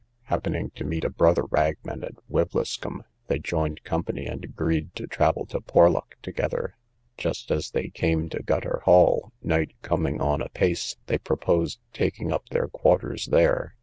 Happening to meet a brother ragman at Wiveliscombe, they joined company, and agreed to travel to Porlock together. Just as they came to Gutter Hall, night coming on a pace, they proposed taking up their quarters there.